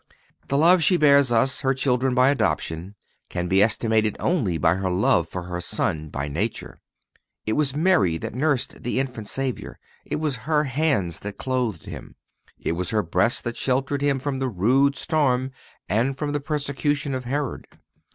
The love she bears us, her children by adoption, can be estimated only by her love for her Son by nature. It was Mary that nursed the Infant Savior. It was her hands that clothed Him. It was her breast that sheltered Him from the rude storm and from the persecution of Herod.